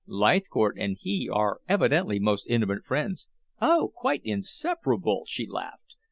"Leithcourt and he are evidently most intimate friends." "Oh, quite inseparable!" she laughed.